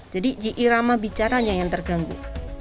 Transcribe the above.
jadi di irama bicaranya yang terganggu